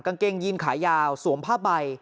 กางเกงยีนขายาวสวมผ้าใบ